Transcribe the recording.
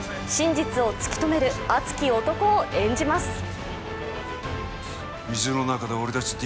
真実を突き止める熱き男を演じます。